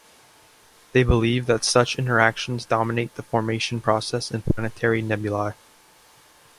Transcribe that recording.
They believe that such interactions dominate the formation process in planetary nebulae.